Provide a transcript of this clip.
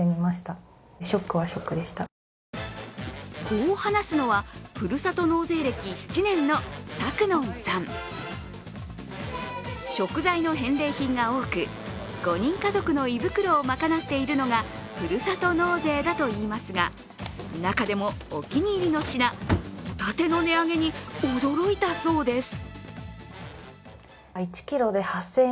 こう話すのは、ふるさと納税歴７年のさくのんさん食材の返礼品が多く、５人家族の胃袋を賄っているのがふるさと納税だといいますが中でもお気に入りの品、ホタテの値上げに驚いたそうです。